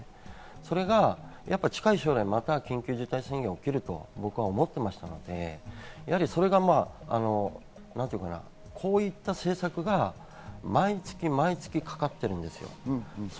それが近い将来、また緊急事態宣言が出ると僕は思っていましたので、こういった政策が毎月毎月かかっている。